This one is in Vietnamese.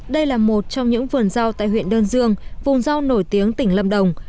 đây là một trong những vườn rau tại huyện đơn dương vùng rau nổi tiếng tỉnh lâm đồng